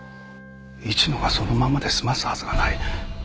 市野がそのままで済ますはずがない。